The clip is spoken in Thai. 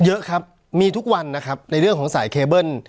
เยอะครับมีทุกวันนะครับในเรื่องของสายเคเบิ้ล